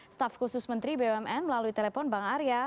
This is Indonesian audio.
staf khusus menteri bumn melalui telepon bang arya